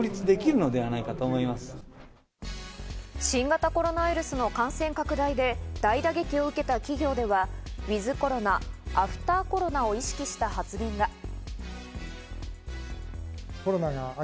新型コロナウイルスの感染拡大で大打撃を受けた企業ではｗｉｔｈコロナ、アフターコロナを意識した発言が。